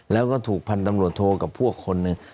แล้วก็ถูกพันธุ์ตำรวจโทกับพวกคนหนึ่ง